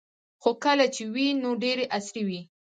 خو کله چې وې نو ډیرې عصري وې